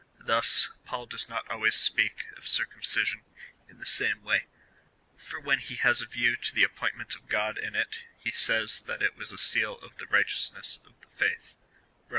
Thus, Paul does not always speak of circumcision in the same way, for when he has a view to the appointment of God in it, he says, that it was a seal of the righteousness of the faith, (Rom.